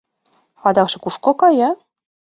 Адакше кушко кая?